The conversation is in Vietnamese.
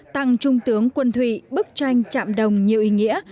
tặng trung tướng quân thụy bức tranh chạm đồng nhiều ý nghĩa